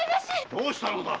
どうしたのだ？